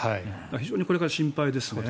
非常にこれから心配ですね。